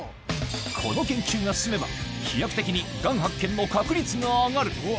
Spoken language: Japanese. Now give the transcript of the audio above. この研究が進めば、飛躍的にがん発見の確率が上がる。